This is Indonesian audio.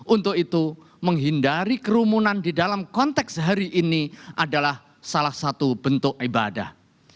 untuk itu menghindari kerumunan di dalam konteks hari ini adalah salah satu bentuk ibadah